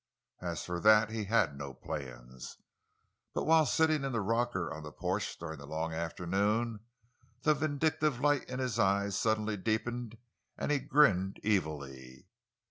As for that, he had no plans. But while sitting in the rocker on the porch during the long afternoon, the vindictive light in his eyes suddenly deepened, and he grinned evilly.